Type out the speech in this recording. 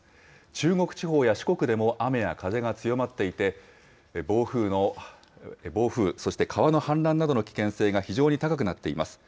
中国地方や四国でも雨や風が強まっていて、暴風、そして川の氾濫などの危険性が非常に高くなっています。